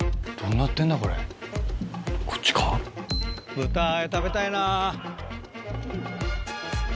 ぶたあえ食べたいな。